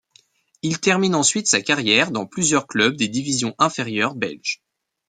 Il termine ensuite sa carrière dans plusieurs clubs des divisions inférieures belges.